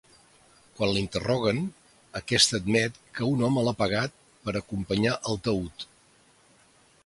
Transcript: Quan l'interroguen, aquesta admet que un home l'ha pagat per acompanyar el taüt.